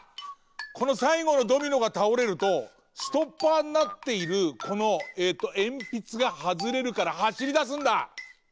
このさいごのドミノがたおれるとストッパーになっているこのえんぴつがはずれるからはしりだすんだ！